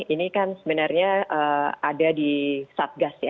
ini kan sebenarnya ada di satgas ya